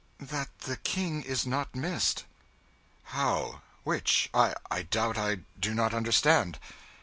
"That the King is not missed." "How? Which? I doubt I do not understand."